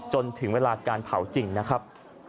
จนถึงเวลาการเผาจริงนะครับ